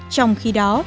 trong khi đó